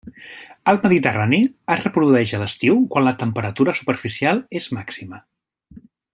Al Mediterrani es reprodueix a l'estiu quan la temperatura superficial és màxima.